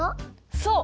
そう！